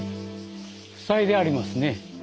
塞いでありますね。